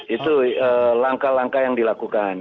itu langkah langkah yang dilakukan